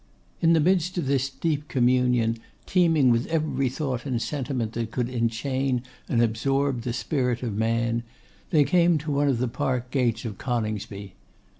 In the midst of this deep communion, teeming with every thought and sentiment that could enchain and absorb the spirit of man, they came to one of the park gates of Coningsby.